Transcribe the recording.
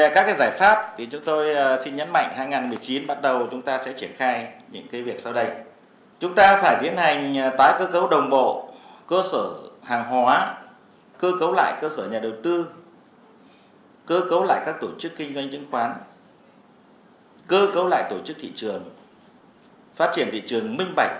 cơ cấu lại cơ sở nhà đầu tư cơ cấu lại các tổ chức kinh doanh chứng khoán cơ cấu lại tổ chức thị trường phát triển thị trường minh bạch